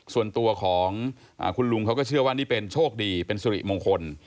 ส่วนตัวของคุณลุงเขาก็เชื่อว่านี่เป็นโชคดีเป็นสุริมงคล